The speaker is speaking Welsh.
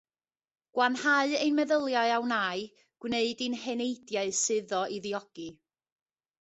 Gwanhau ein meddyliau a wnâi, gwneud i'n heneidiau suddo i ddiogi.